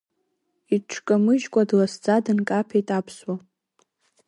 Иҽкамыжькәа, дласӡа дынкаԥеит аԥсуа.